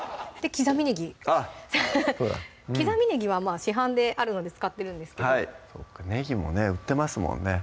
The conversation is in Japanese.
刻みねぎあっ刻みねぎはまぁ市販であるので使ってるんですけどそっかねぎもね売ってますもんね